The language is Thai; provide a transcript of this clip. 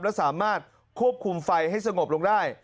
และสามารถควบคุมไฟให้สงบลงได้